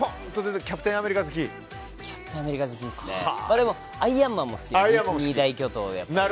でもアイアンマンも好きで。